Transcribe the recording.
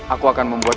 aku akan membuat